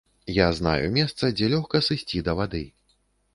Я знаю месца, дзе лёгка сысці да вады.